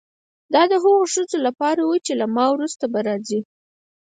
دا د هغو ښځو په اړه وه چې له ما وروسته به راځي.